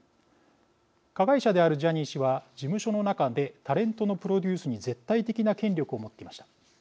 加害者であるジャニー氏は事務所の中でタレントのプロデュースに絶対的な権力を持っていました。